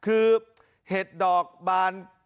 คือเห็ดดอกบาน